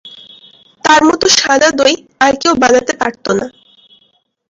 তার মতো সাদা দই আর কেউ বানাতে পারত না।